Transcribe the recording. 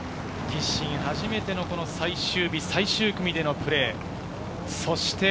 自身初の最終日・最終組でのこのプレー。